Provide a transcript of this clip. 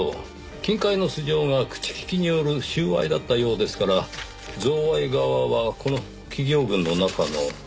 金塊の素性が口利きによる収賄だったようですから贈賄側はこの企業群の中の。